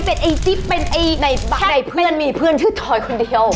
เป็นไอ้จิ๊บเป็นในบักในเพื่อนมีเพื่อนชื่อทอยคนเดียว